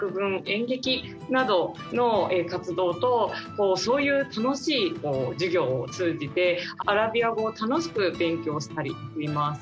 演劇などの活動とそういう楽しい授業を通じてアラビア語を楽しく勉強したりしています。